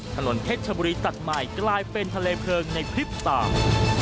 ถนนเพชรชบุรีตัดใหม่กลายเป็นทะเลเพลิงในพริบตา